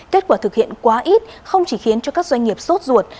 kết quả thực hiện quá ít không chỉ khiến cho các doanh nghiệp sốt ruột